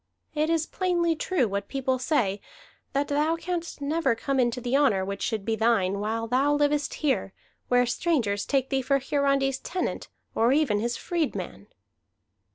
It is plainly true what people say, that thou canst never come into the honor which should be thine, while thou livest here, where strangers take thee for Hiarandi's tenant, or even his freedman."